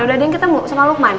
udah ada yang ketemu sama luqman